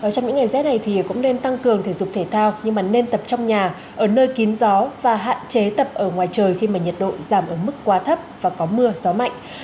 trong những ngày rét này thì cũng nên tăng cường thể dục thể thao nhưng mà nên tập trong nhà ở nơi kín gió và hạn chế tập ở ngoài trời khi mà nhiệt độ giảm ở mức quá thấp và có mưa gió mạnh